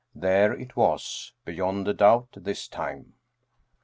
There it was, beyond a doubt this time.